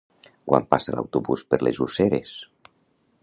Quan passa l'autobús per les Useres?